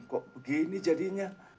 kok begini jadinya